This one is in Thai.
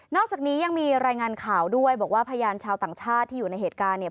อกจากนี้ยังมีรายงานข่าวด้วยบอกว่าพยานชาวต่างชาติที่อยู่ในเหตุการณ์เนี่ย